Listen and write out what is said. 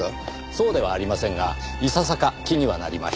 そうではありませんがいささか気にはなりました。